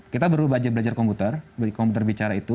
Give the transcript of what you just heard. kita baru belajar komputer komputer bicara itu